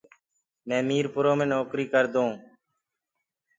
مینٚ ميٚرپرو مي نوڪريٚ ڪردوٚنٚ۔